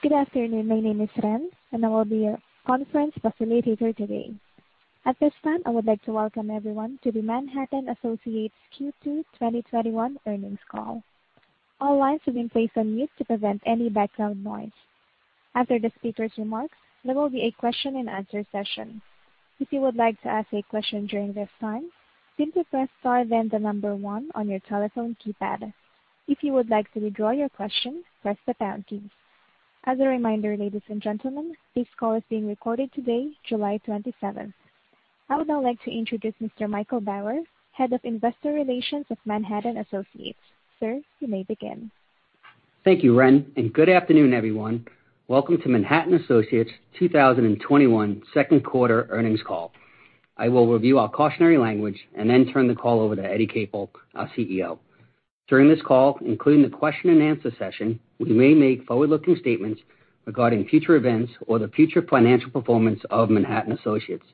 Good afternoon. My name is Ren, and I will be your conference facilitator today. At this time, I would like to welcome everyone to the Manhattan Associates Q2 2021 Earnings Call. All lines have been placed on mute to prevent any background noise. After the speaker's remarks, there will be a question-and-answer session. If you would like to ask a question during this time, simply press star then the number one on your telephone keypad. If you would like to withdraw your question, press the pound key. As a reminder, ladies and gentlemen, this call is being recorded today, July 27th. I would now like to introduce Mr. Michael Bauer, Head of Investor Relations of Manhattan Associates. Sir, you may begin. Thank you, Ren, and good afternoon, everyone. Welcome to Manhattan Associates 2021 Q2 Earnings Call. I will review our cautionary language and then turn the call over to Eddie Capel, our CEO. During this call, including the question-and-answer session, we may make forward-looking statements regarding future events or the future financial performance of Manhattan Associates.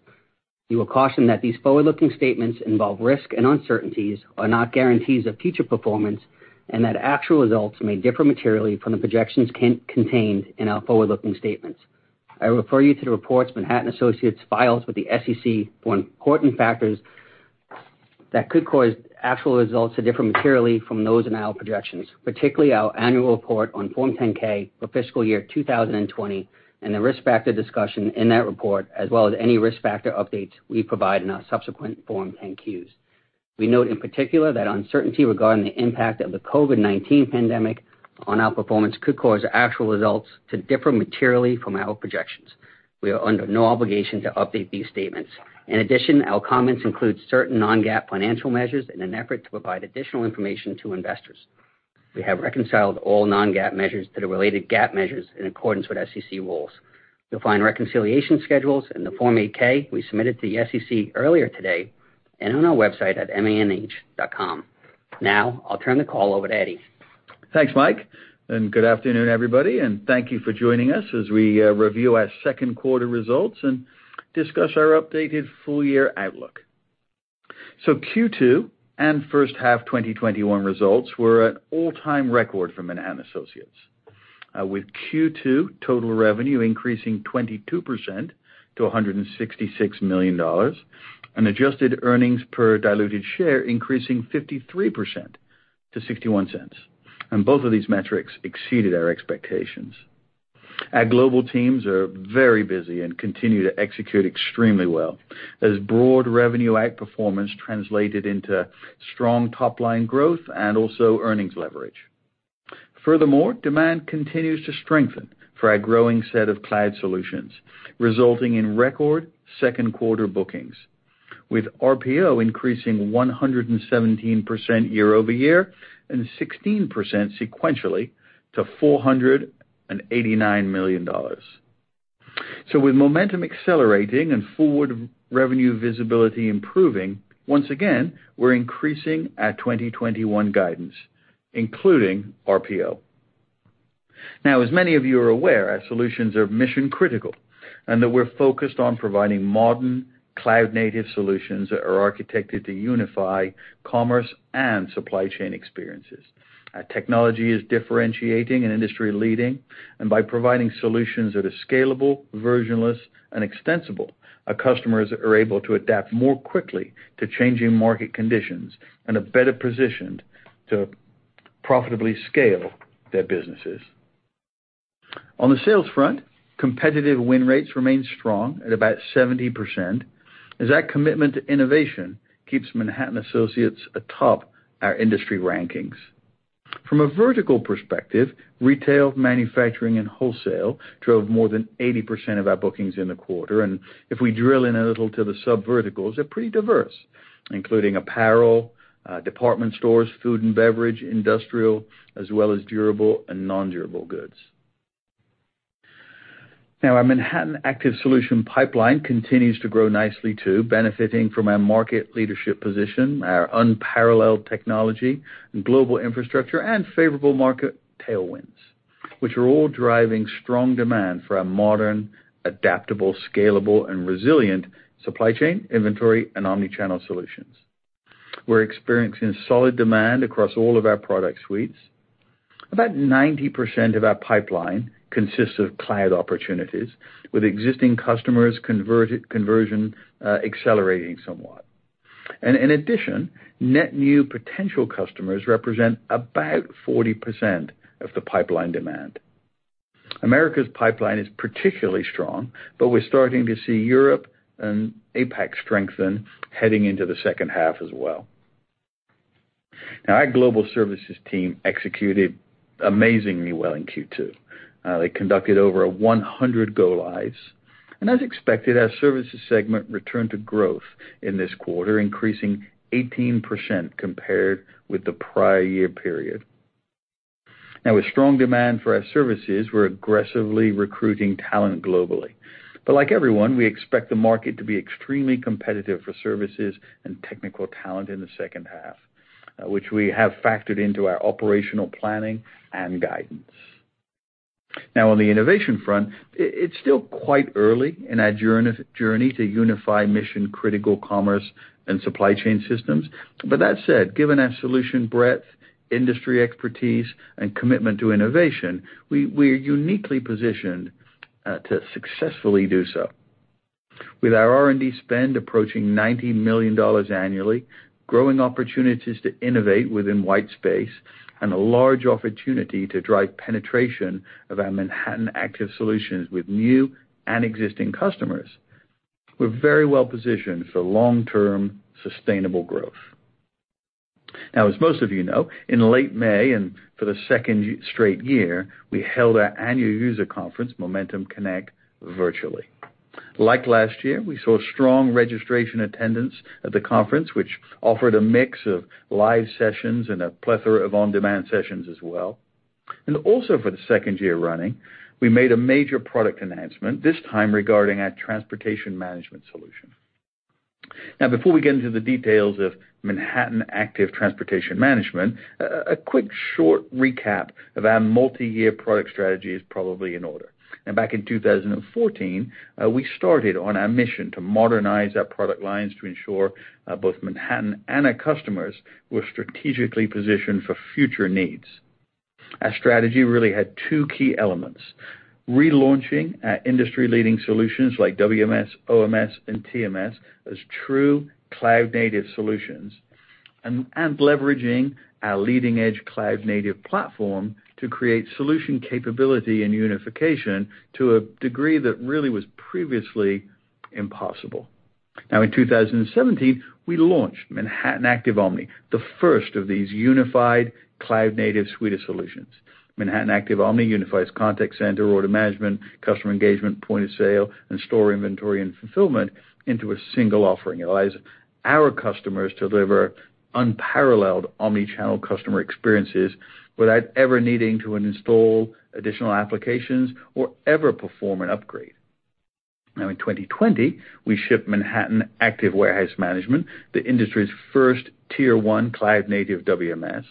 We will caution that these forward-looking statements involve risk and uncertainties, are not guarantees of future performance, and that actual results may differ materially from the projections contained in our forward-looking statements. I refer you to the reports Manhattan Associates files with the SEC for important factors that could cause actual results to differ materially from those in our projections, particularly our annual report on Form 10-K for fiscal year 2020 and the risk factor discussion in that report, as well as any risk factor updates we provide in our subsequent Form 10-Qs. We note in particular that uncertainty regarding the impact of the COVID-19 pandemic on our performance could cause actual results to differ materially from our projections. We are under no obligation to update these statements. In addition, our comments include certain Non-GAAP financial measures in an effort to provide additional information to investors. We have reconciled all Non-GAAP measures to the related GAAP measures in accordance with SEC rules. You'll find reconciliation schedules in the Form 8-K we submitted to the SEC earlier today and on our website at manh.com. Now, I'll turn the call over to Eddie. Thanks, Mike, and good afternoon, everybody, and thank you for joining us as we review our Q2 results and discuss our updated full-year outlook, so Q2 and first half 2021 results were at all-time record for Manhattan Associates, with Q2 total revenue increasing 22% to $166 million, and adjusted earnings per diluted share increasing 53% to $0.61, and both of these metrics exceeded our expectations. Our global teams are very busy and continue to execute extremely well, as broad revenue outperformance translated into strong top-line growth and also earnings leverage. Furthermore, demand continues to strengthen for our growing set of cloud solutions, resulting in record Q2 bookings, with RPO increasing 117% year over year and 16% sequentially to $489 million, so with momentum accelerating and forward revenue visibility improving, once again, we're increasing our 2021 guidance, including RPO. Now, as many of you are aware, our solutions are mission-critical and that we're focused on providing modern cloud-native solutions that are architected to unify commerce and supply chain experiences. Our technology is differentiating and industry-leading, and by providing solutions that are scalable, versionless, and extensible, our customers are able to adapt more quickly to changing market conditions and are better positioned to profitably scale their businesses. On the sales front, competitive win rates remain strong at about 70%, as our commitment to innovation keeps Manhattan Associates atop our industry rankings. From a vertical perspective, retail, manufacturing, and wholesale drove more than 80% of our bookings in the quarter, and if we drill in a little to the sub-verticals, they're pretty diverse, including apparel, department stores, food and beverage, industrial, as well as durable and non-durable goods. Now, our Manhattan Active Solution pipeline continues to grow nicely too, benefiting from our market leadership position, our unparalleled technology, global infrastructure, and favorable market tailwinds, which are all driving strong demand for our modern, adaptable, scalable, and resilient supply chain, inventory, and omnichannel solutions. We're experiencing solid demand across all of our product suites. About 90% of our pipeline consists of cloud opportunities, with existing customers' conversion accelerating somewhat. And in addition, net new potential customers represent about 40% of the pipeline demand. Americas pipeline is particularly strong, but we're starting to see Europe and APAC strengthen heading into the second half as well. Now, our global services team executed amazingly well in Q2. They conducted over 100 go-lives, and as expected, our services segment returned to growth in this quarter, increasing 18% compared with the prior year period. Now, with strong demand for our services, we're aggressively recruiting talent globally. But like everyone, we expect the market to be extremely competitive for services and technical talent in the second half, which we have factored into our operational planning and guidance. Now, on the innovation front, it's still quite early in our journey to unify mission-critical commerce and supply chain systems. But that said, given our solution breadth, industry expertise, and commitment to innovation, we are uniquely positioned to successfully do so. With our R&D spend approaching $90 million annually, growing opportunities to innovate within white space, and a large opportunity to drive penetration of our Manhattan Active Solutions with new and existing customers, we're very well positioned for long-term sustainable growth. Now, as most of you know, in late May and for the second straight year, we held our annual user conference, Momentum Connect, virtually. Like last year, we saw strong registration attendance at the conference, which offered a mix of live sessions and a plethora of on-demand sessions as well. And also for the second year running, we made a major product announcement, this time regarding our transportation management solution. Now, before we get into the details of Manhattan Active Transportation Management, a quick short recap of our multi-year product strategy is probably in order. Now, back in 2014, we started on our mission to modernize our product lines to ensure both Manhattan and our customers were strategically positioned for future needs. Our strategy really had two key elements: relaunching our industry-leading solutions like WMS, OMS, and TMS as true cloud-native solutions, and leveraging our leading-edge cloud-native platform to create solution capability and unification to a degree that really was previously impossible. Now, in 2017, we launched Manhattan Active Omni, the first of these unified cloud-native suite of solutions. Manhattan Active Omni unifies contact center, order management, customer engagement, point of sale, and store inventory and fulfillment into a single offering. It allows our customers to deliver unparalleled omnichannel customer experiences without ever needing to install additional applications or ever perform an upgrade. Now, in 2020, we shipped Manhattan Active Warehouse Management, the industry's first tier-one cloud-native WMS,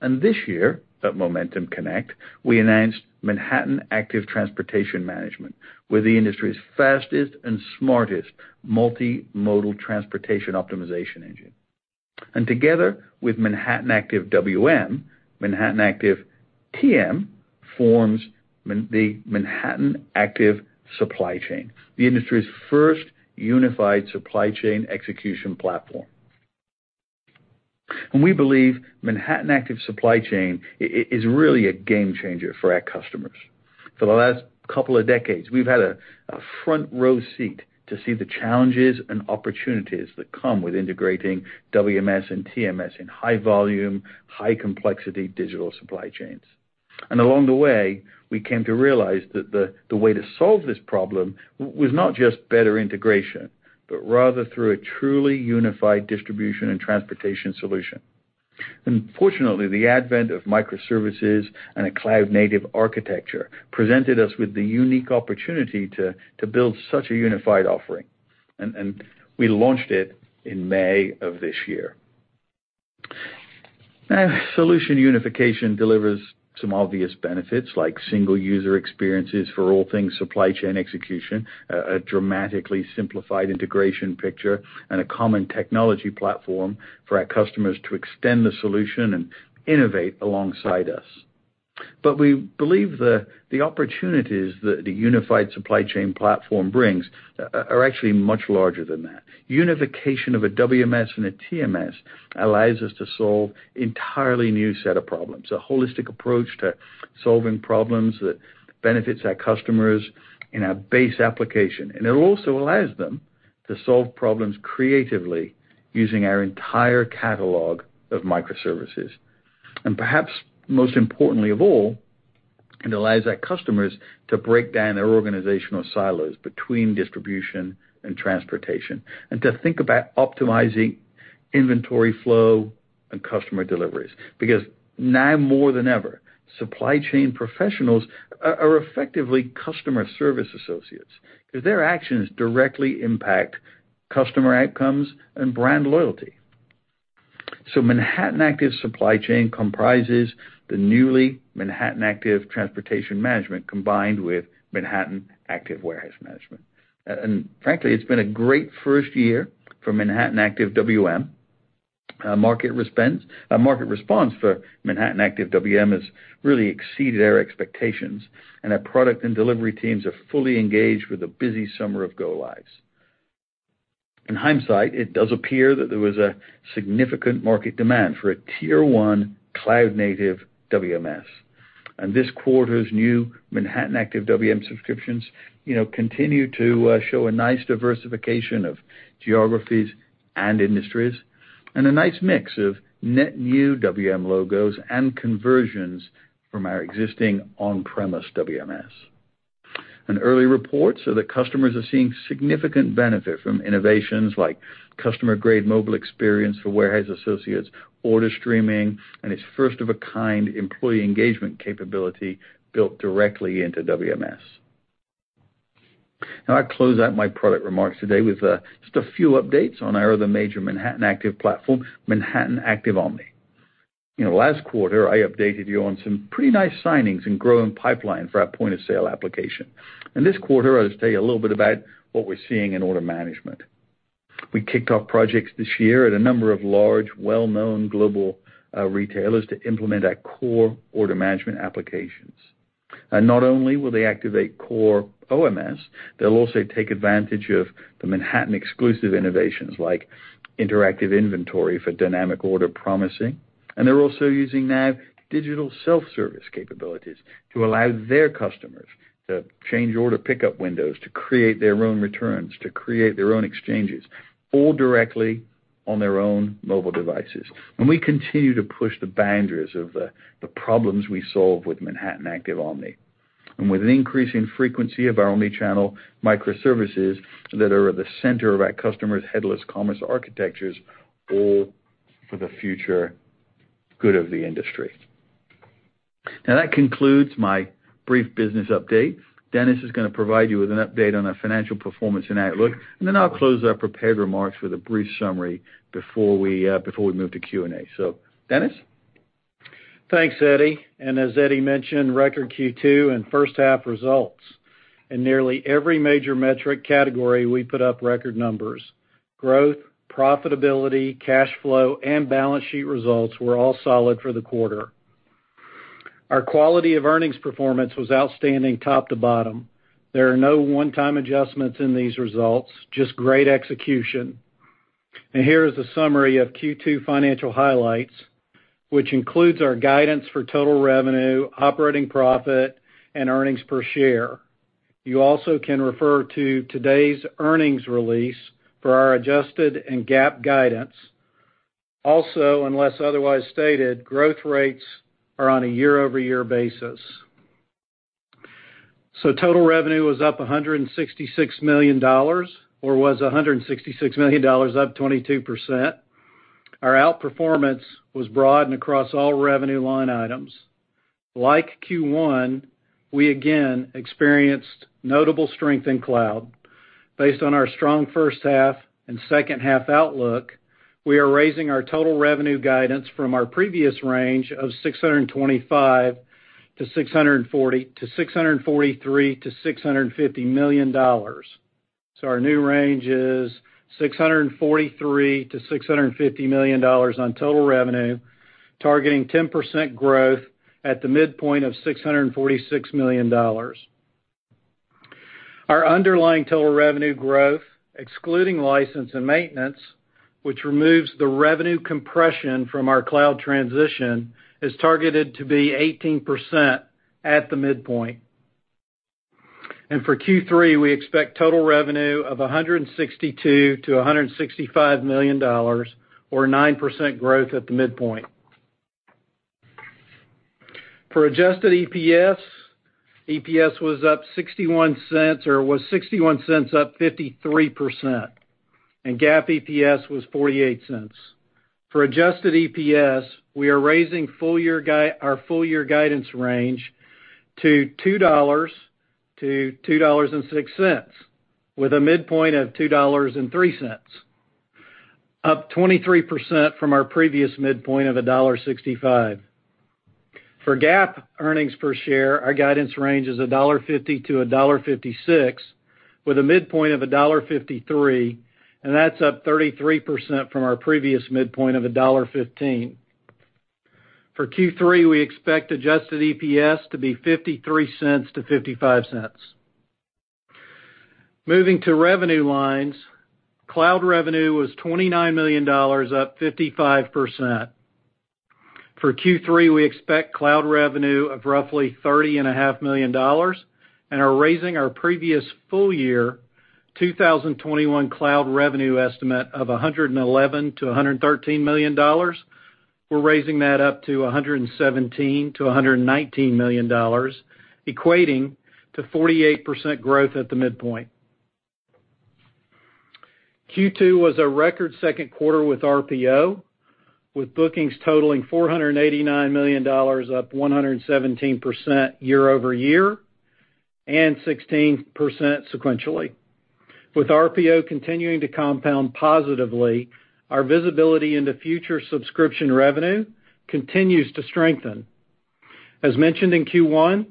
and this year, at Momentum Connect, we announced Manhattan Active Transportation Management, with the industry's fastest and smartest multimodal transportation optimization engine, and together with Manhattan Active WM, Manhattan Active TM forms the Manhattan Active Supply Chain, the industry's first unified supply chain execution platform, and we believe Manhattan Active Supply Chain is really a game changer for our customers. For the last couple of decades, we've had a front-row seat to see the challenges and opportunities that come with integrating WMS and TMS in high-volume, high-complexity digital supply chains. And along the way, we came to realize that the way to solve this problem was not just better integration, but rather through a truly unified distribution and transportation solution. And fortunately, the advent of microservices and a cloud-native architecture presented us with the unique opportunity to build such a unified offering, and we launched it in May of this year. Now, solution unification delivers some obvious benefits, like single-user experiences for all things supply chain execution, a dramatically simplified integration picture, and a common technology platform for our customers to extend the solution and innovate alongside us. But we believe the opportunities that the unified supply chain platform brings are actually much larger than that. Unification of a WMS and a TMS allows us to solve an entirely new set of problems, a holistic approach to solving problems that benefits our customers in our base application, and it also allows them to solve problems creatively using our entire catalog of microservices, and perhaps most importantly of all, it allows our customers to break down their organizational silos between distribution and transportation, and to think about optimizing inventory flow and customer deliveries. Because now more than ever, supply chain professionals are effectively customer service associates, because their actions directly impact customer outcomes and brand loyalty, so Manhattan Active Supply Chain comprises the newly Manhattan Active Transportation Management combined with Manhattan Active Warehouse Management, and frankly, it's been a great first year for Manhattan Active WM. Our market response for Manhattan Active WM has really exceeded our expectations, and our product and delivery teams are fully engaged with the busy summer of go-lives. In hindsight, it does appear that there was a significant market demand for a tier-one cloud-native WMS, and this quarter's new Manhattan Active WM subscriptions continue to show a nice diversification of geographies and industries, and a nice mix of net new WM logos and conversions from our existing on-premise WMS, and early reports are that customers are seeing significant benefit from innovations like customer-grade mobile experience for warehouse associates, order streaming, and its first-of-a-kind employee engagement capability built directly into WMS. Now, I'll close out my product remarks today with just a few updates on our other major Manhattan Active platform, Manhattan Active Omni. Last quarter, I updated you on some pretty nice signings and growing pipeline for our point of sale application. And this quarter, I'll just tell you a little bit about what we're seeing in order management. We kicked off projects this year at a number of large, well-known global retailers to implement our core order management applications. And not only will they activate core OMS, they'll also take advantage of the Manhattan-exclusive innovations like interactive inventory for dynamic order promising. And they're also using now digital self-service capabilities to allow their customers to change order pickup windows, to create their own returns, to create their own exchanges, all directly on their own mobile devices. And we continue to push the boundaries of the problems we solve with Manhattan Active Omni, and with an increasing frequency of our omnichannel microservices that are at the center of our customers' headless commerce architectures all for the future good of the industry. Now, that concludes my brief business update. Dennis is going to provide you with an update on our financial performance and outlook, and then I'll close our prepared remarks with a brief summary before we move to Q&A. So, Dennis? Thanks, Eddie. As Eddie mentioned, record Q2 and first-half results. In nearly every major metric category, we put up record numbers. Growth, profitability, cash flow, and balance sheet results were all solid for the quarter. Our quality of earnings performance was outstanding top to bottom. There are no one-time adjustments in these results, just great execution. Here is a summary of Q2 financial highlights, which includes our guidance for total revenue, operating profit, and earnings per share. You also can refer to today's earnings release for our adjusted and GAAP guidance. Also, unless otherwise stated, growth rates are on a year-over-year basis. Total revenue was up $166 million, or was $166 million up 22%. Our outperformance was broad and across all revenue line items. Like Q1, we again experienced notable strength in cloud. Based on our strong first-half and second-half outlook, we are raising our total revenue guidance from our previous range of $625 million to $643 to 650 million. So our new range is $643 to 650 million on total revenue, targeting 10% growth at the midpoint of $646 million. Our underlying total revenue growth, excluding license and maintenance, which removes the revenue compression from our cloud transition, is targeted to be 18% at the midpoint. And for Q3, we expect total revenue of $162 to 165 million, or 9% growth at the midpoint. For adjusted EPS, EPS was up $0.61, or was $0.61 up 53%. And GAAP EPS was $0.48. For adjusted EPS, we are raising our full-year guidance range to $2 to 2.06, with a midpoint of $2.03, up 23% from our previous midpoint of $1.65. For GAAP earnings per share, our guidance range is $1.50 to 1.56, with a midpoint of $1.53, and that's up 33% from our previous midpoint of $1.15. For Q3, we expect adjusted EPS to be $0.53 to 0.55. Moving to revenue lines, cloud revenue was $29 million, up 55%. For Q3, we expect cloud revenue of roughly $30.5 million, and are raising our previous full-year 2021 cloud revenue estimate of $111 to 113 million. We're raising that up to $117 to 119 million, equating to 48% growth at the midpoint. Q2 was a record Q2 with RPO, with bookings totaling $489 million, up 117% year-over-year, and 16% sequentially. With RPO continuing to compound positively, our visibility into future subscription revenue continues to strengthen. As mentioned in Q1,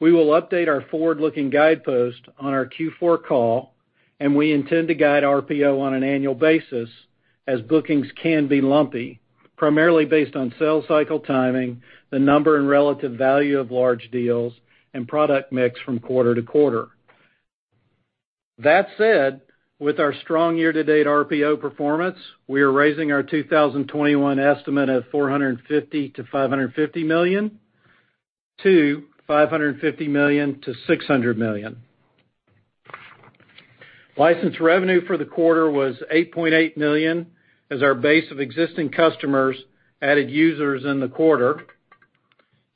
we will update our forward-looking guidepost on our Q4 call, and we intend to guide RPO on an annual basis, as bookings can be lumpy, primarily based on sale cycle timing, the number and relative value of large deals, and product mix from quarter to quarter. That said, with our strong year-to-date RPO performance, we are raising our 2021 estimate of $450 to 550 million to $550 to 600 million. License revenue for the quarter was $8.8 million, as our base of existing customers added users in the quarter,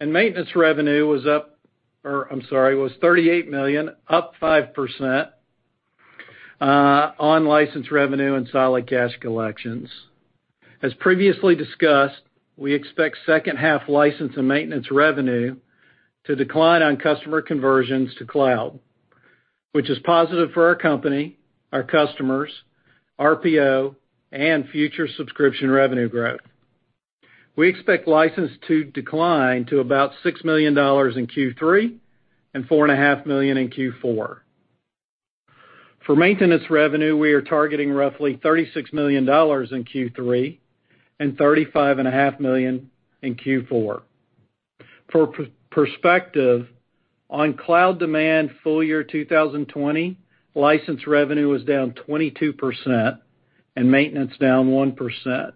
and maintenance revenue was up, or I'm sorry, was $38 million, up 5% on license revenue and solid cash collections. As previously discussed, we expect second-half license and maintenance revenue to decline on customer conversions to cloud, which is positive for our company, our customers, RPO, and future subscription revenue growth. We expect license to decline to about $6 million in Q3 and $4.5 million in Q4. For maintenance revenue, we are targeting roughly $36 million in Q3 and $35.5 million in Q4. For perspective, on cloud demand full-year 2020, license revenue was down 22%, and maintenance down 1%.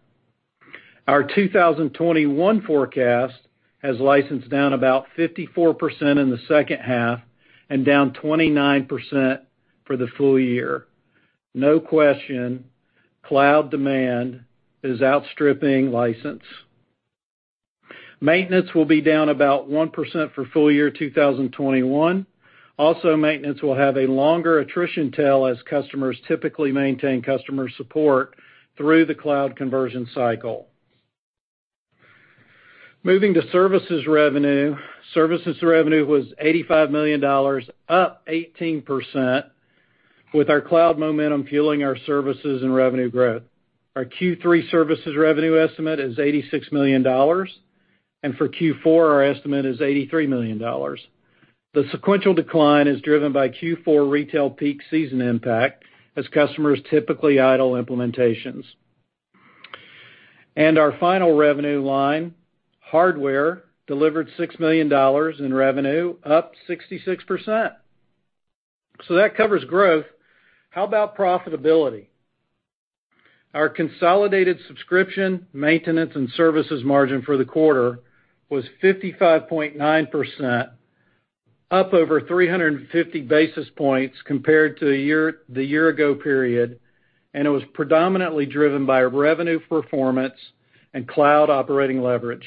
Our 2021 forecast has license down about 54% in the second half and down 29% for the full year. No question, cloud demand is outstripping license. Maintenance will be down about 1% for full-year 2021. Also, maintenance will have a longer attrition tail, as customers typically maintain customer support through the cloud conversion cycle. Moving to services revenue, services revenue was $85 million, up 18%, with our cloud momentum fueling our services and revenue growth. Our Q3 services revenue estimate is $86 million, and for Q4, our estimate is $83 million. The sequential decline is driven by Q4 retail peak season impact, as customers typically idle implementations. And our final revenue line, hardware, delivered $6 million in revenue, up 66%. So that covers growth. How about profitability? Our consolidated subscription, maintenance, and services margin for the quarter was 55.9%, up over 350 basis points compared to the year-ago period, and it was predominantly driven by revenue performance and cloud operating leverage.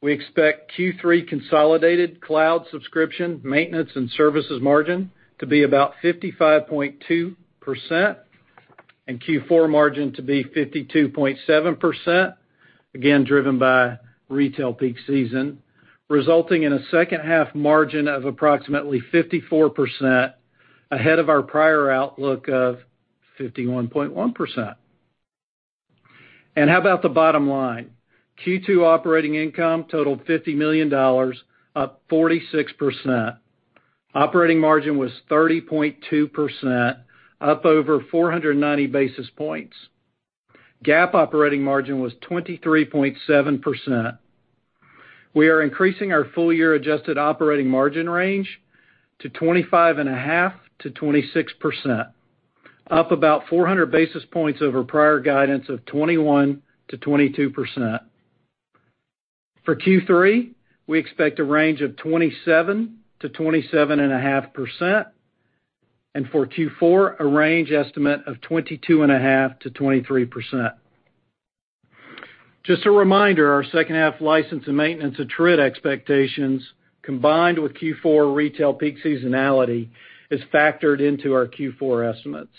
We expect Q3 consolidated cloud subscription, maintenance, and services margin to be about 55.2%, and Q4 margin to be 52.7%, again driven by retail peak season, resulting in a second-half margin of approximately 54% ahead of our prior outlook of 51.1%. And how about the bottom line? Q2 operating income totaled $50 million, up 46%. Operating margin was 30.2%, up over 490 basis points. GAAP operating margin was 23.7%. We are increasing our full-year adjusted operating margin range to 25.5% to 26%, up about 400 basis points over prior guidance of 21% to 22%. For Q3, we expect a range of 27% to 27.5%, and for Q4, a range estimate of 22.5% to 23%. Just a reminder, our second-half license and maintenance attrit expectations, combined with Q4 retail peak seasonality, is factored into our Q4 estimates.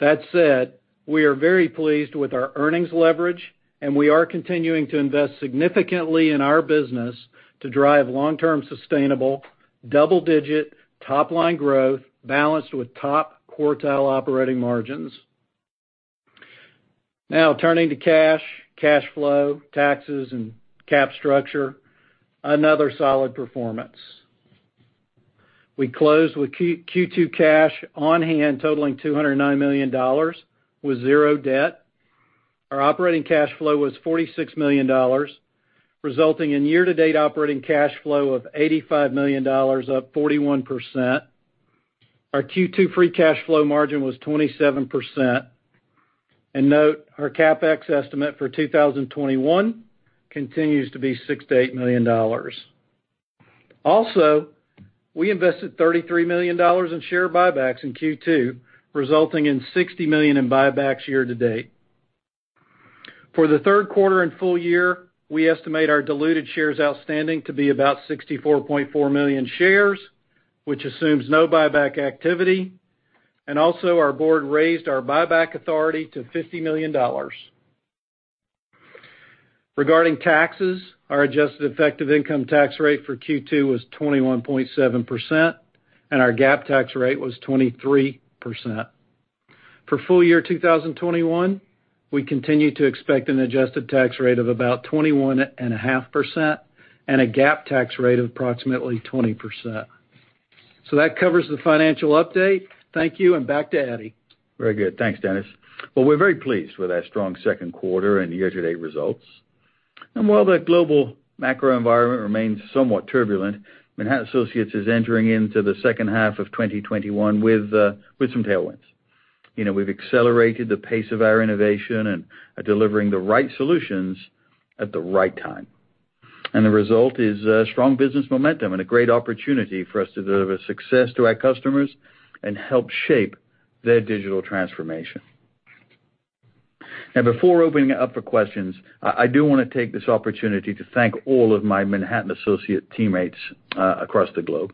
That said, we are very pleased with our earnings leverage, and we are continuing to invest significantly in our business to drive long-term sustainable double-digit top-line growth balanced with top quartile operating margins. Now, turning to cash, cash flow, taxes, and cap structure, another solid performance. We closed with Q2 cash on hand totaling $209 million, with zero debt. Our operating cash flow was $46 million, resulting in year-to-date operating cash flow of $85 million, up 41%. Our Q2 free cash flow margin was 27%. And note, our CapEx estimate for 2021 continues to be $6to 8 million. Also, we invested $33 million in share buybacks in Q2, resulting in $60 million in buybacks year-to-date. For the Q3 and full year, we estimate our diluted shares outstanding to be about 64.4 million shares, which assumes no buyback activity. And also, our board raised our buyback authority to $50 million. Regarding taxes, our adjusted effective income tax rate for Q2 was 21.7%, and our GAAP tax rate was 23%. For full year 2021, we continue to expect an adjusted tax rate of about 21.5% and a GAAP tax rate of approximately 20%. So that covers the financial update. Thank you, and back to Eddie. Very good. Thanks, Dennis. We're very pleased with our strong Q2 and year-to-date results. While the global macro environment remains somewhat turbulent, Manhattan Associates is entering into the second half of 2021 with some tailwinds. We've accelerated the pace of our innovation and are delivering the right solutions at the right time. The result is strong business momentum and a great opportunity for us to deliver success to our customers and help shape their digital transformation. Now, before opening up for questions, I do want to take this opportunity to thank all of my Manhattan Associates teammates across the globe.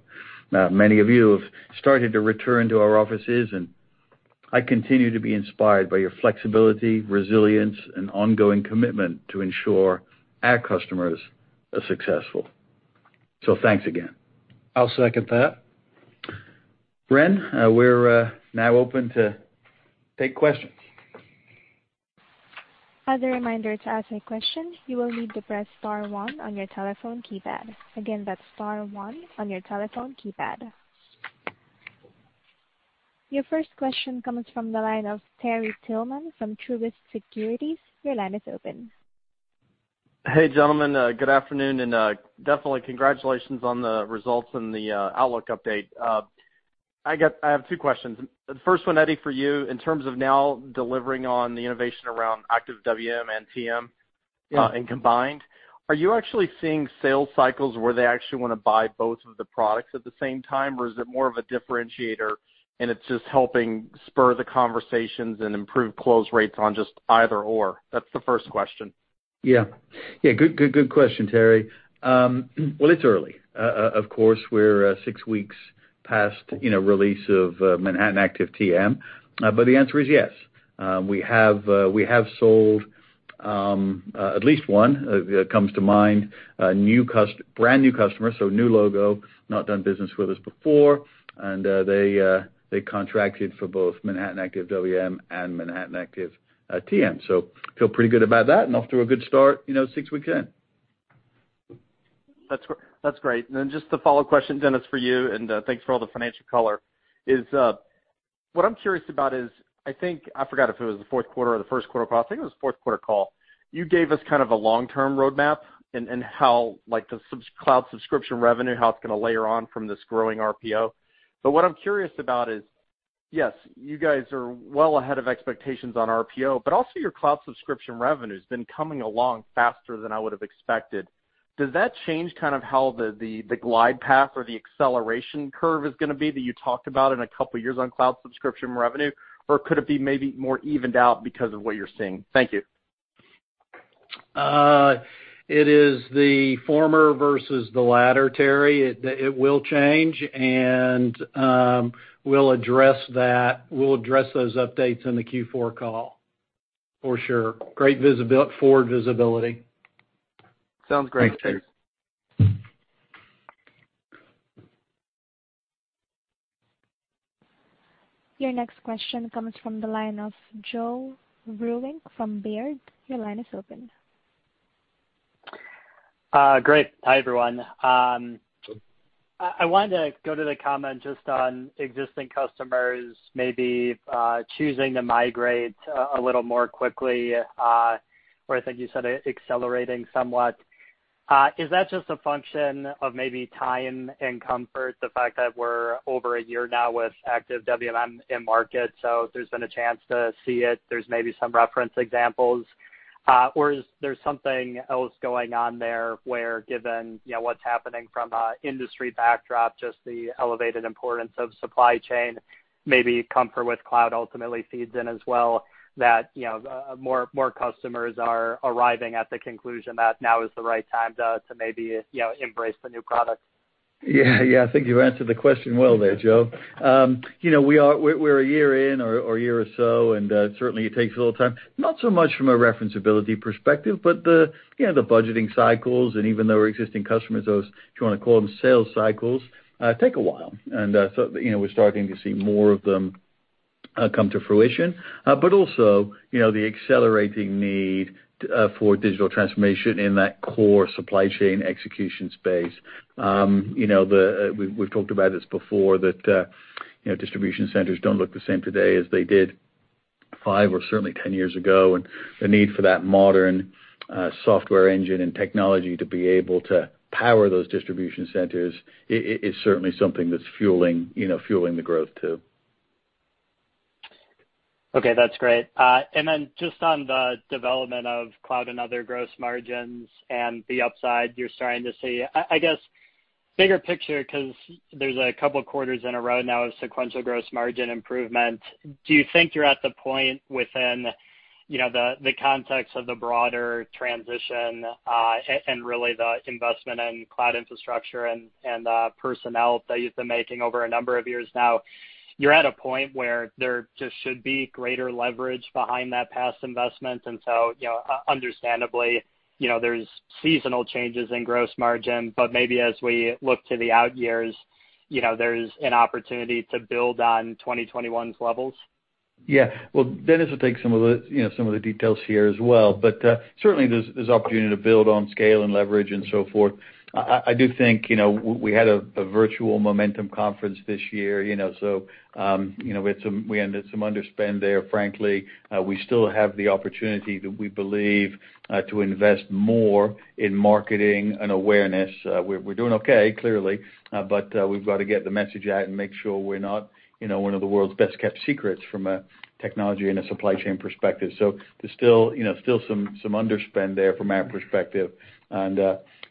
Many of you have started to return to our offices, and I continue to be inspired by your flexibility, resilience, and ongoing commitment to ensure our customers are successful. Thanks again. I'll second that. Ren, we're now open to take questions. As a reminder to ask a question, you will need to press star one on your telephone keypad. Again, that's star one on your telephone keypad. Your first question comes from the line of Terry Tillman from Truist Securities. Your line is open. Hey, gentlemen. Good afternoon, and definitely congratulations on the results and the outlook update. I have two questions. The first one, Eddie, for you, in terms of now delivering on the innovation around Active WM and TM and combined, are you actually seeing sales cycles where they actually want to buy both of the products at the same time, or is it more of a differentiator, and it's just helping spur the conversations and improve close rates on just either/or? That's the first question. Yeah. Yeah, good question, Terry. It's early. Of course, we're six weeks past release of Manhattan Active TM, but the answer is yes. We have sold at least one. It comes to mind a brand new customer, so new logo, not done business with us before, and they contracted for both Manhattan Active WM and Manhattan Active TM. So feel pretty good about that, and off to a good start six weeks in. That's great. And then just the follow-up question, Dennis, for you, and thanks for all the financial color. What I'm curious about is, I think I forgot if it was the Q4 or the Q1 call. I think it was the Q4 call. You gave us kind of a long-term roadmap and how the cloud subscription revenue, how it's going to layer on from this growing RPO. But what I'm curious about is, yes, you guys are well ahead of expectations on RPO, but also your cloud subscription revenue has been coming along faster than I would have expected. Does that change kind of how the glide path or the acceleration curve is going to be that you talked about in a couple of years on cloud subscription revenue, or could it be maybe more evened out because of what you're seeing? Thank you. It is the former versus the latter, Terry. It will change, and we'll address those updates in the Q4 call, for sure. Great forward visibility. Sounds great. Thanks. Your next question comes from the line of Joe Vruwink from Baird. Your line is open. Great. Hi, everyone. I wanted to go to the comment just on existing customers maybe choosing to migrate a little more quickly, or I think you said accelerating somewhat. Is that just a function of maybe time and comfort, the fact that we're over a year now with Active WM in market, so there's been a chance to see it? There's maybe some reference examples, or is there something else going on there where, given what's happening from an industry backdrop, just the elevated importance of supply chain, maybe comfort with cloud ultimately feeds in as well, that more customers are arriving at the conclusion that now is the right time to maybe embrace the new product? Yeah, I think you answered the question well there, Joe. We're a year in or a year or so, and certainly it takes a little time, not so much from a referenceability perspective, but the budgeting cycles and even though existing customers, if you want to call them sales cycles, take a while. And so we're starting to see more of them come to fruition, but also the accelerating need for digital transformation in that core supply chain execution space. We've talked about this before, that distribution centers don't look the same today as they did five or certainly ten years ago, and the need for that modern software engine and technology to be able to power those distribution centers is certainly something that's fueling the growth too. Okay, that's great. And then just on the development of cloud and other gross margins and the upside you're starting to see, I guess, bigger picture, because there's a couple of quarters in a row now of sequential gross margin improvement. Do you think you're at the point within the context of the broader transition and really the investment in cloud infrastructure and personnel that you've been making over a number of years now, you're at a point where there just should be greater leverage behind that past investment? And so, understandably, there's seasonal changes in gross margin, but maybe as we look to the out years, there's an opportunity to build on 2021's levels? Yeah, well, Dennis will take some of the details here as well, but certainly there's opportunity to build on scale and leverage and so forth. I do think we had a virtual Momentum conference this year, so we ended some underspend there, frankly. We still have the opportunity that we believe to invest more in marketing and awareness. We're doing okay, clearly, but we've got to get the message out and make sure we're not one of the world's best-kept secrets from a technology and a supply chain perspective, so there's still some underspend there from our perspective, and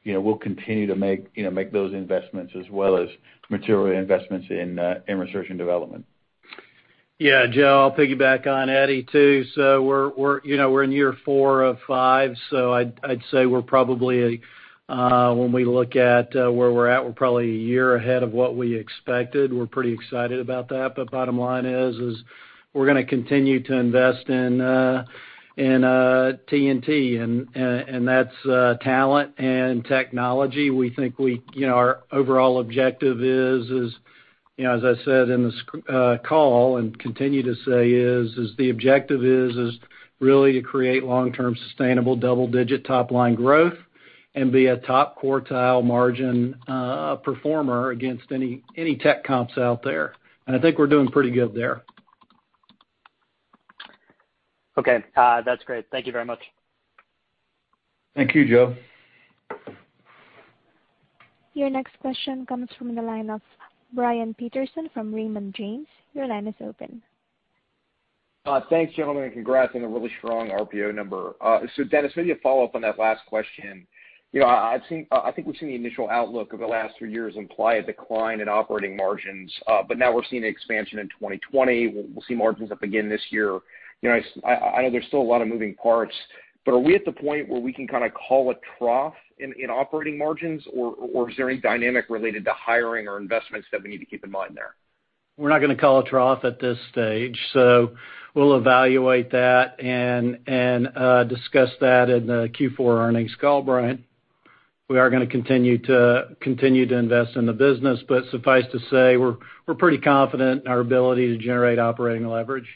we'll continue to make those investments as well as material investments in research and development. Yeah, Joe, I'll piggyback on Eddie too, so we're in year four of five, so I'd say we're probably, when we look at where we're at, we're probably a year ahead of what we expected. We're pretty excited about that, but bottom line is we're going to continue to invest in T&T, and that's talent and technology. We think our overall objective is, as I said in the call and continue to say, is the objective is really to create long-term sustainable double-digit top-line growth and be a top quartile margin performer against any tech comps out there, and I think we're doing pretty good there. Okay. That's great. Thank you very much. Thank you, Joe. Your next question comes from the line of Brian Peterson from Raymond James. Your line is open. Thanks, gentlemen, and congrats on a really strong RPO number. So, Dennis, maybe a follow-up on that last question. I think we've seen the initial outlook of the last three years imply a decline in operating margins, but now we're seeing expansion in 2020. We'll see margins up again this year. I know there's still a lot of moving parts, but are we at the point where we can kind of call a trough in operating margins, or is there any dynamic related to hiring or investments that we need to keep in mind there? We're not going to call a trough at this stage, so we'll evaluate that and discuss that in the Q4 Earnings Call, Brian. We are going to continue to invest in the business, but suffice to say, we're pretty confident in our ability to generate operating leverage.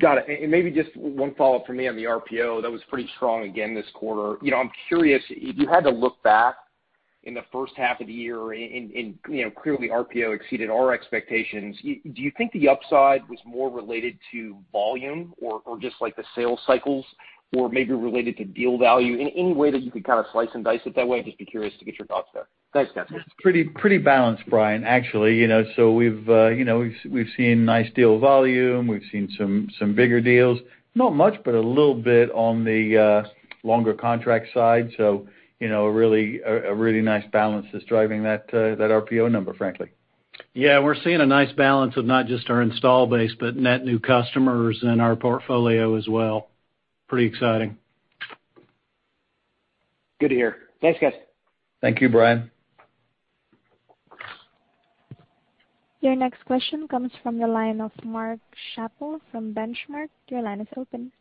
Got it. And maybe just one follow-up for me on the RPO that was pretty strong again this quarter. I'm curious, if you had to look back in the first half of the year and clearly RPO exceeded our expectations, do you think the upside was more related to volume or just the sales cycles or maybe related to deal value in any way that you could kind of slice and dice it that way? Just be curious to get your thoughts there. Thanks, Dennis. It's pretty balanced, Brian, actually. So we've seen nice deal volume. We've seen some bigger deals. Not much, but a little bit on the longer contract side. So a really nice balance is driving that RPO number, frankly. Yeah, we're seeing a nice balance of not just our install base, but net new customers in our portfolio as well. Pretty exciting. Good to hear. Thanks, guys. Thank you, Brian. Your next question comes from the line of Mark Schappel from Benchmark. Your line is open.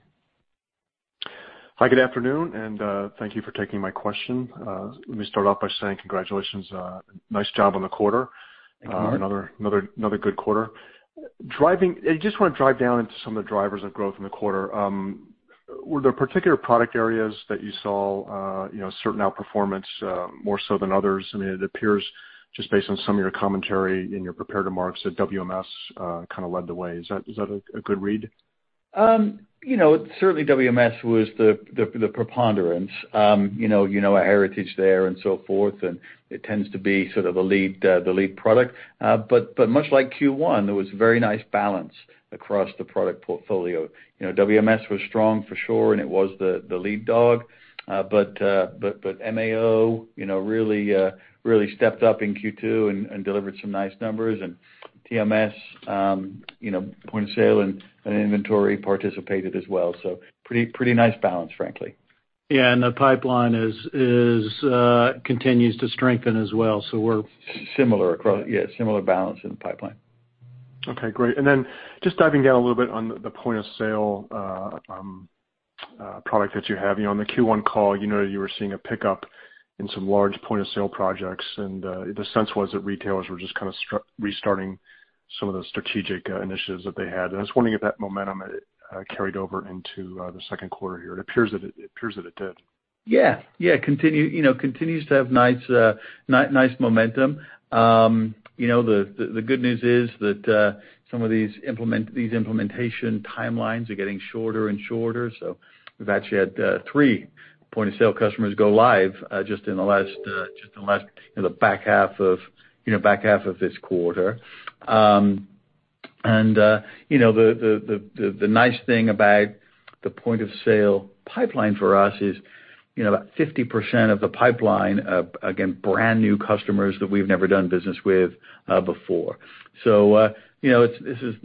Hi, good afternoon, and thank you for taking my question. Let me start off by saying congratulations. Nice job on the quarter. Another good quarter. I just want to drive down into some of the drivers of growth in the quarter. Were there particular product areas that you saw certain outperformance more so than others? I mean, it appears just based on some of your commentary in your prepared remarks that WMS kind of led the way. Is that a good read? Certainly, WMS was the preponderance. You know a heritage there and so forth, and it tends to be sort of the lead product. But much like Q1, there was very nice balance across the product portfolio. WMS was strong for sure, and it was the lead dog. But MAO really stepped up in Q2 and delivered some nice numbers, and TMS, point of sale and inventory participated as well. So pretty nice balance, frankly. Yeah, and the pipeline continues to strengthen as well. So we're. Similar, yeah, similar balance in the pipeline. Okay, great. And then just diving down a little bit on the point of sale product that you have. On the Q1 call, you noted you were seeing a pickup in some large point of sale projects, and the sense was that retailers were just kind of restarting some of the strategic initiatives that they had. And I was wondering if that momentum carried over into the Q2 here. It appears that it did. Yeah. Yeah, continues to have nice momentum. The good news is that some of these implementation timelines are getting shorter and shorter. So we've actually had three point of sale customers go live just in the last, in the back half of this quarter. And the nice thing about the point of sale pipeline for us is about 50% of the pipeline, again, brand new customers that we've never done business with before. So this is,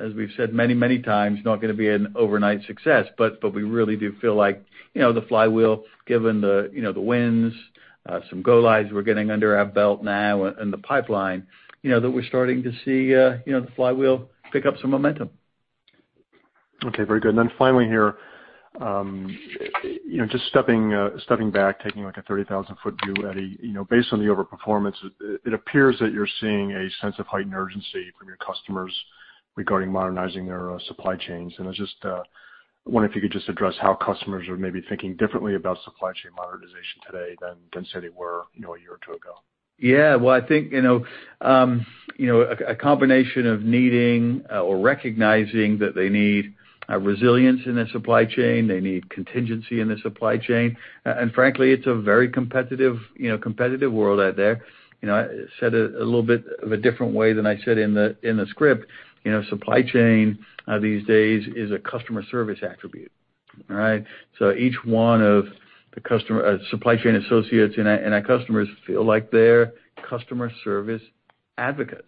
as we've said many, many times, not going to be an overnight success, but we really do feel like the flywheel, given the wins, some go-lives we're getting under our belt now in the pipeline, that we're starting to see the flywheel pick up some momentum. Okay, very good. And then finally here, just stepping back, taking a 30,000-foot view, Eddie, based on the overperformance, it appears that you're seeing a sense of heightened urgency from your customers regarding modernizing their supply chains. And I just wonder if you could just address how customers are maybe thinking differently about supply chain modernization today than say they were a year or two ago? Yeah, well, I think a combination of needing or recognizing that they need resilience in their supply chain, they need contingency in their supply chain. And frankly, it's a very competitive world out there. I said it a little bit of a different way than I said in the script. Supply chain these days is a customer service attribute, all right? So each one of the customer supply chain associates and our customers feel like they're customer service advocates.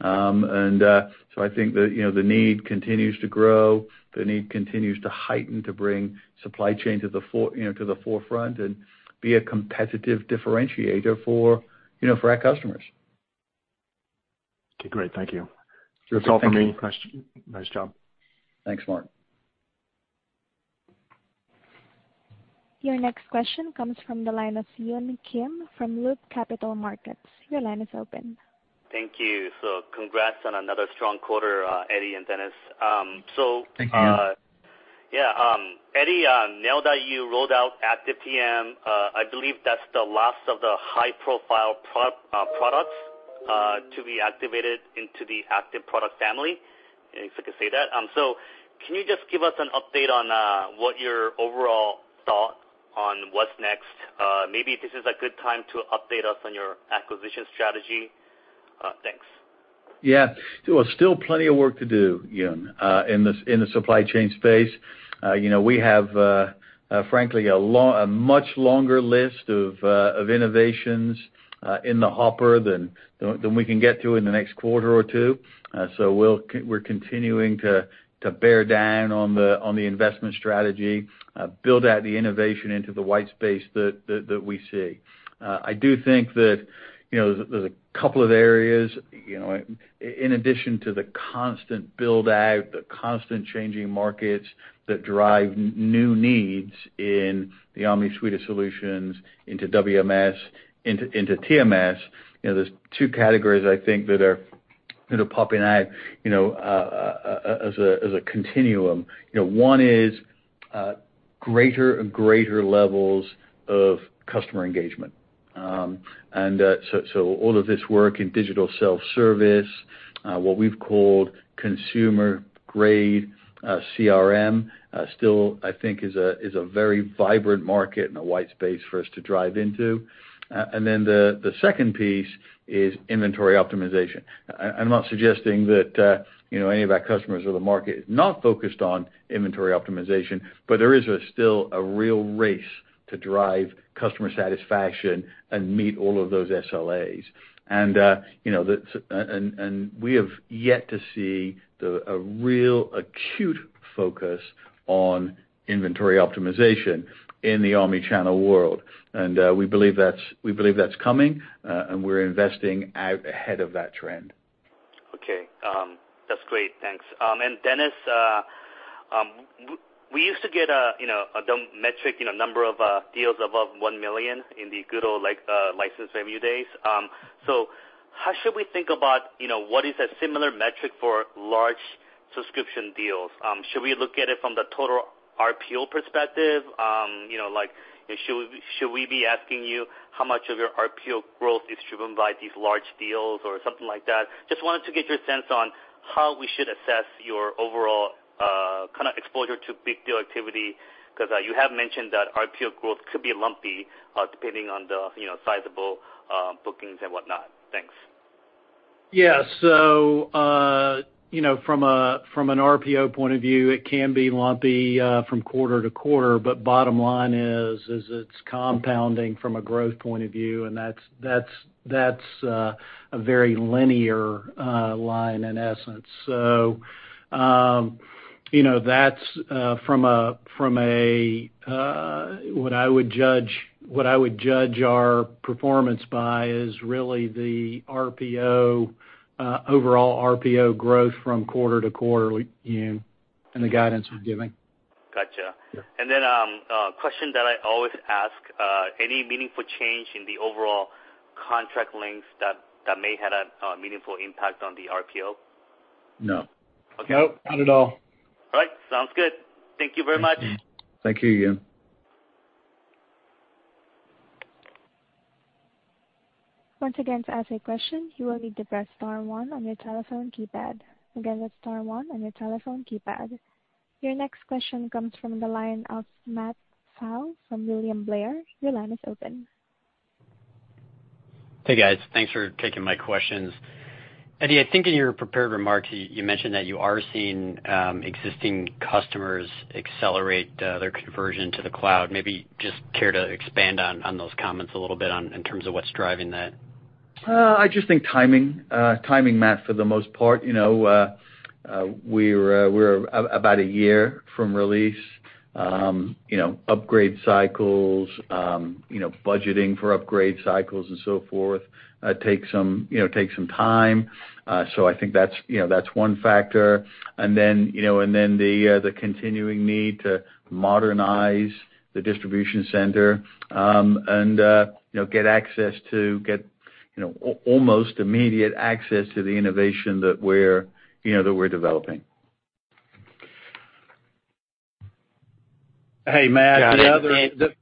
And so I think the need continues to grow. The need continues to heighten to bring supply chain to the forefront and be a competitive differentiator for our customers. Okay, great. Thank you. That's all from me. Nice job. Thanks, Mark. Your next question comes from the line of Yun Kim from Loop Capital Markets. Your line is open. Thank you. So, congrats on another strong quarter, Eddie and Dennis. So. Thank you. Yeah. Eddie, now that you rolled out Active PM, I believe that's the last of the high-profile products to be activated into the Active product family, if I could say that. So can you just give us an update on what your overall thought on what's next? Maybe this is a good time to update us on your acquisition strategy. Thanks. Yeah. Well, still plenty of work to do, Yun, in the supply chain space. We have, frankly, a much longer list of innovations in the hopper than we can get to in the next quarter or two. So we're continuing to bear down on the investment strategy, build out the innovation into the white space that we see. I do think that there's a couple of areas, in addition to the constant build-out, the constant changing markets that drive new needs in the Omni Suite of solutions into WMS, into TMS. There's two categories I think that are popping out as a continuum. One is greater and greater levels of customer engagement. And so all of this work in digital self-service, what we've called consumer-grade CRM, still I think is a very vibrant market and a white space for us to drive into. And then the second piece is inventory optimization. I'm not suggesting that any of our customers or the market is not focused on inventory optimization, but there is still a real race to drive customer satisfaction and meet all of those SLAs. And we have yet to see a real acute focus on inventory optimization in the omnichannel world. And we believe that's coming, and we're investing out ahead of that trend. Okay. That's great. Thanks, and Dennis, we used to get a metric, number of deals above 1 million in the good old license revenue days, so how should we think about what is a similar metric for large subscription deals? Should we look at it from the total RPO perspective? Should we be asking you how much of your RPO growth is driven by these large deals or something like that? Just wanted to get your sense on how we should assess your overall kind of exposure to big deal activity, because you have mentioned that RPO growth could be lumpy depending on the sizable bookings and whatnot. Thanks. Yeah. So from an RPO point of view, it can be lumpy from quarter to quarter, but bottom line is it's compounding from a growth point of view, and that's a very linear line in essence. So that's what I would judge our performance by is really the overall RPO growth from quarter to quarter and the guidance we're giving. Gotcha. And then a question that I always ask: any meaningful change in the overall contract length that may have a meaningful impact on the RPO? No. Nope. Not at all. All right. Sounds good. Thank you very much. Thank you, Yun. Once again, to ask a question, you will need to press star one on your telephone keypad. Again, that's star one on your telephone keypad. Your next question comes from the line of Matt Pfau from William Blair. Your line is open. Hey, guys. Thanks for taking my questions. Eddie, I think in your prepared remarks, you mentioned that you are seeing existing customers accelerate their conversion to the cloud. Maybe just care to expand on those comments a little bit in terms of what's driving that? I just think timing, timing, Matt, for the most part. We're about a year from release. Upgrade cycles, budgeting for upgrade cycles, and so forth take some time. So I think that's one factor, and then the continuing need to modernize the distribution center and get access to get almost immediate access to the innovation that we're developing. Hey, Matt.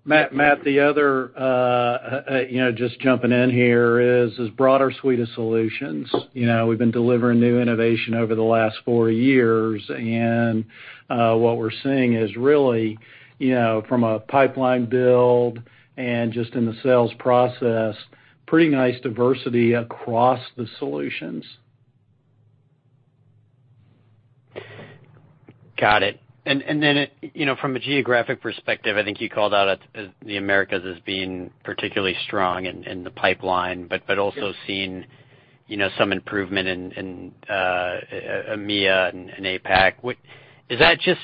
Matt, the other just jumping in here is broader suite of solutions. We've been delivering new innovation over the last four years, and what we're seeing is really from a pipeline build and just in the sales process, pretty nice diversity across the solutions. Got it. And then from a geographic perspective, I think you called out the Americas as being particularly strong in the pipeline, but also seeing some improvement in EMEA and APAC. Is that just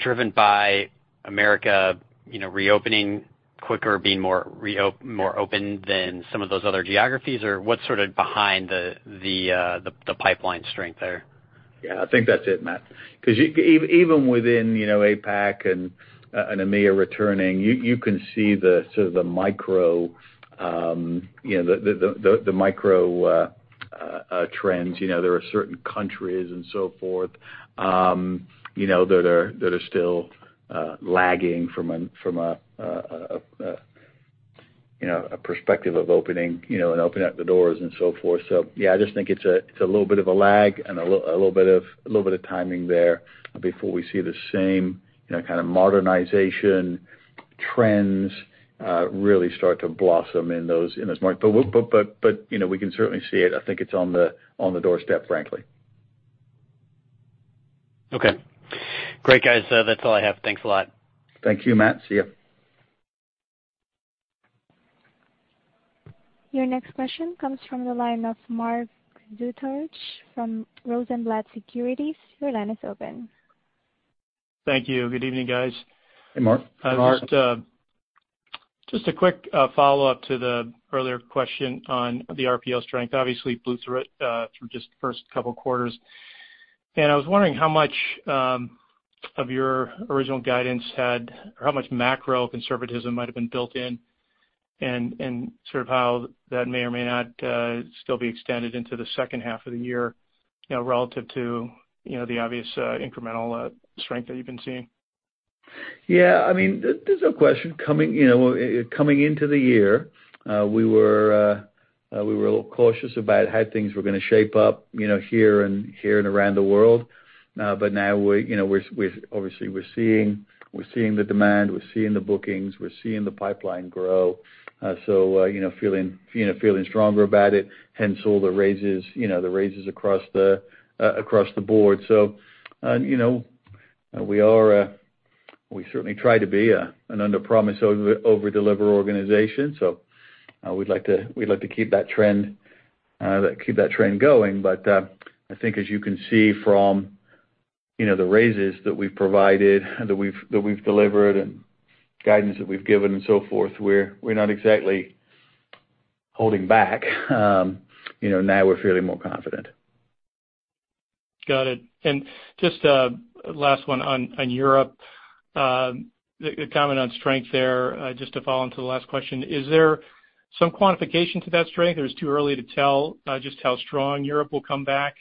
driven by America reopening quicker, being more open than some of those other geographies, or what's sort of behind the pipeline strength there? Yeah, I think that's it, Matt. Because even within APAC and EMEA returning, you can see sort of the micro trends. There are certain countries and so forth that are still lagging from a perspective of opening and opening up the doors and so forth. So yeah, I just think it's a little bit of a lag and a little bit of timing there before we see the same kind of modernization trends really start to blossom in those markets. But we can certainly see it. I think it's on the doorstep, frankly. Okay. Great, guys. That's all I have. Thanks a lot. Thank you, Matt. See you. Your next question comes from the line of Mark Zgutowicz from Rosenblatt Securities. Your line is open. Thank you. Good evening, guys. Hey, Mark. Mark, just a quick follow-up to the earlier question on the RPO strength. Obviously, we're through just the first couple of quarters. And I was wondering how much of your original guidance had, or how much macro conservatism might have been built in and sort of how that may or may not still be extended into the second half of the year relative to the obvious incremental strength that you've been seeing. Yeah. I mean, there's a question coming into the year. We were a little cautious about how things were going to shape up here and around the world. But now, obviously, we're seeing the demand. We're seeing the bookings. We're seeing the pipeline grow. So feeling stronger about it, hence all the raises across the board. So we certainly try to be an under-promise, over-deliver organization. So we'd like to keep that trend going. But I think, as you can see from the raises that we've provided, and guidance that we've given and so forth, we're not exactly holding back. Now we're feeling more confident. Got it. And just last one on Europe, the comment on strength there, just to fall into the last question, is there some quantification to that strength? Or is it too early to tell just how strong Europe will come back?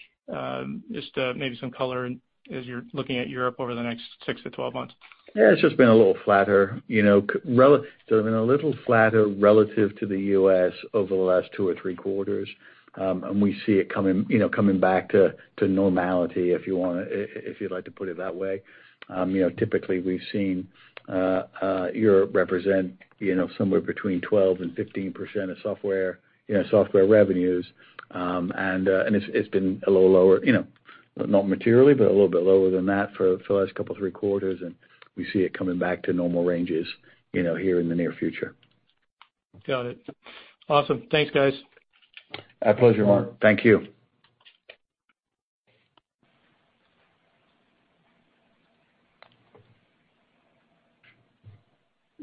Just maybe some color as you're looking at Europe over the next 6 to 12 months. Yeah, it's just been a little flatter. It's been a little flatter relative to the US over the last two or three quarters. And we see it coming back to normality, if you want to, if you'd like to put it that way. Typically, we've seen Europe represent somewhere between 12 to 15% of software revenues. And it's been a little lower, not materially, but a little bit lower than that for the last couple of three quarters. And we see it coming back to normal ranges here in the near future. Got it. Awesome. Thanks, guys. My pleasure, Mark. Thank you.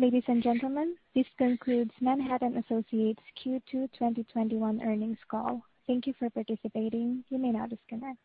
Ladies and gentlemen, this concludes Manhattan Associates Q2 2021 Earnings Call. Thank you for participating. You may now disconnect.